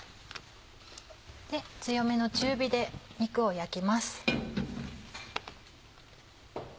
強めの中火で肉を焼きます。